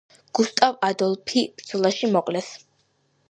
გუსტავ ადოლფი ბრძოლაში მოკლეს.